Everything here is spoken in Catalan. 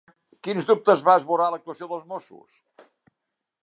Quins dubtes va esborrar l'actuació dels Mossos?